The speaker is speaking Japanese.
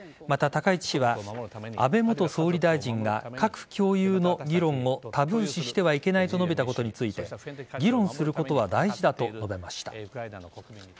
また、高市氏は安倍元総理大臣が核共有の議論をタブー視してはいけないと述べたことについて議論することは大事だと述べました。